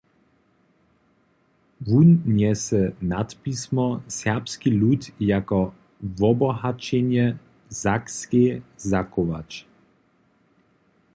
Wón njese nadpismo "Serbski lud jako wobohaćenje Sakskej zachować".